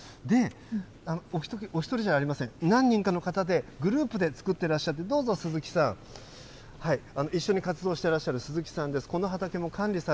で、お１人じゃありません、何人かの方で、グループで作ってらっしゃる、どうぞ鈴木さん、一緒に活動してらっしゃる鈴木さんです。